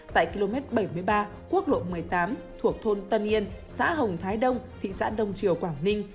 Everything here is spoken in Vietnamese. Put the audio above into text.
tại km bảy mươi ba quốc lộ một mươi tám thuộc thôn tân yên xã hồng thái đông thị xã đông triều quảng ninh